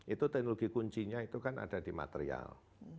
itu teknologi kuncinya itu kan ada di material